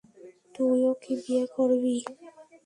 তুইও কি বিয়ে করবি?